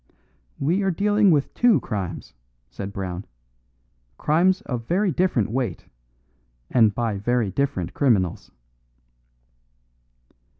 "We are dealing with two crimes," said Brown, "crimes of very different weight and by very different criminals."